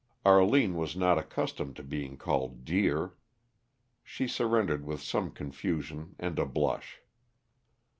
Arline was not accustomed to being called "dear." She surrendered with some confusion and a blush.